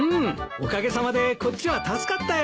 おかげさまでこっちは助かったよ。